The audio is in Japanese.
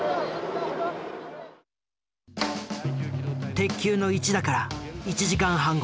鉄球の一打から１時間半後。